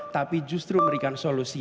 tapi justru memberikan solusi